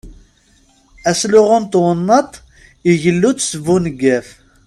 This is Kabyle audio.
Asluɣu n twennaḍt igellu-d s buneggaf.